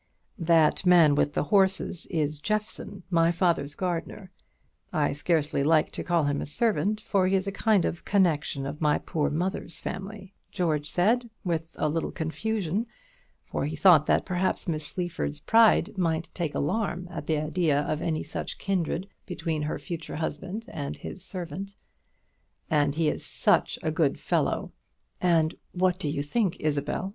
"That man with the horses is Jeffson, my father's gardener; I scarcely like to call him a servant, for he is a kind of connection of my poor mother's family," George said, with a little confusion; for he thought that perhaps Miss Sleaford's pride might take alarm at the idea of any such kindred between her future husband and his servant; "and he is such a good fellow! And what do you think, Isabel?"